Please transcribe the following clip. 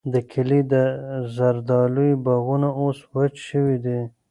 د کلي د زردالیو باغونه اوس وچ شوي دي.